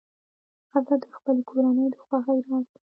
ښځه د خپلې کورنۍ د خوښۍ راز ده.